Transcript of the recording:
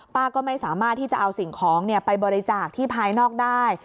ป้าก็ไม่สามารถที่จะเอาสิ่งของไปบริจาคที่ภายนอกได้